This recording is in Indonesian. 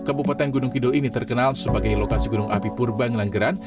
kabupaten gunung kidul ini terkenal sebagai lokasi gunung api purbang langgeran